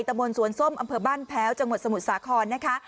ตะบนสวนส้มอำเภอบ้านแพ้วจังหวัดสมุทรสาครนะคะ